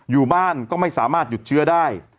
อยู่บ้านก็ไม่สามารถหยุดเชื้อได้